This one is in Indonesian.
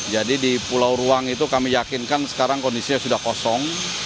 jadi di pulau ruang itu kami yakinkan sekarang kondisinya sudah kosong